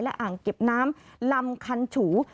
อ่างเก็บน้ำลำคันฉู